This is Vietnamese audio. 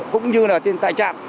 cũng như là trên tại trạm